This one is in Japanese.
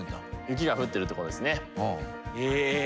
雪が降ってるってことですね。